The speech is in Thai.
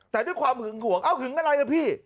แต่ด้วยความหึงห่วงอะหึงอะไรล่ะพี่หึงอะไร